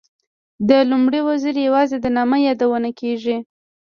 د لومړي وزیر یوازې د نامه یادونه کېږي.